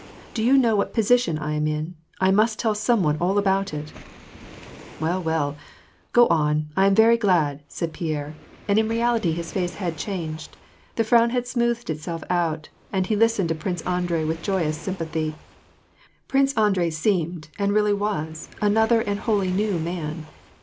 *^ Do you know what a position I am in ? I must tell some one all about it !" "Well, well, go on, I am very glad," said Pierre, and in reality his face had changed ; the frown had smoothed itself out, and he listened to Prince Andrei with joyous sympathy. Prince Andrei seemed, and really was, another and wholly new man.